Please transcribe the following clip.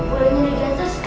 bolehnya dari atas